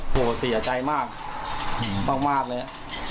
โหเสียใจมากมากเลย